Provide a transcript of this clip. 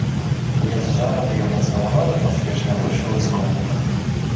Я с жаром ее поцеловал и поспешно вышел из комнаты.